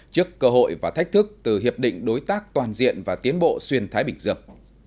trước cơ hội và thách thức từ hiệp định đối tác toàn diện và tiến bộ xuyên thái bình dương